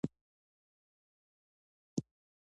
ابدالي او صدراعظم کلایف ته لیکونه استولي.